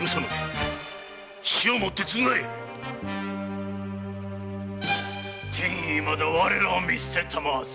死をもって償え‼天いまだ我らを見捨てたまわず。